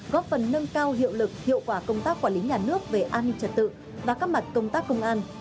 góp phần nâng cao hiệu lực hiệu quả công tác quản lý nhà nước về an ninh trật tự và các mặt công tác công an